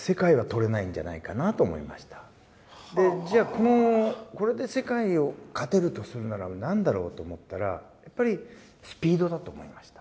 でじゃあこれで世界を勝てるとするならなんだろう？と思ったらやっぱりスピードだと思いました。